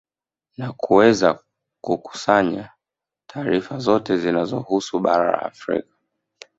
Na kuweza kukusanaya taarifa zote zinazohusu bara la Afrika